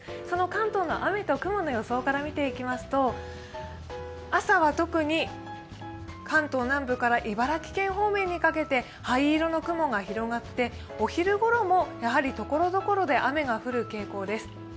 その関東の雨の雲の予想から見ていきますと、朝は特に関東南部から茨城県方面にかけて灰色の雲が広がってお昼ごろもところどころで雨が降る傾向です。